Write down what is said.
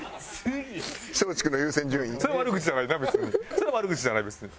それは悪口じゃないな別に。